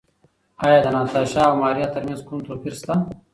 ایا د ناتاشا او ماریا ترمنځ کوم توپیر شته؟